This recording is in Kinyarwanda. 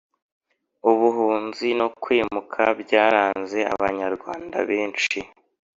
ubuhunzi no kwimuka byaranze abanyarwanda benshi,